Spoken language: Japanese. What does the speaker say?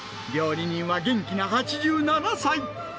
料理人は元気な８７歳。